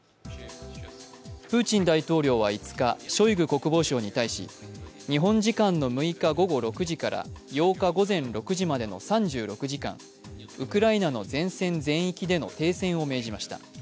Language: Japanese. プーチン大統領は５日、ショイグ国防相に対し、日本時間の６日午後６時から８日午前６時までの３６時間、ウクライナの前線全域での停戦を命じました。